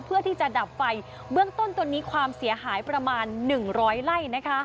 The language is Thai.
เพื่อที่จะดับไฟเบื้องต้นตัวนี้ความเสียหายประมาณ๑๐๐ไร่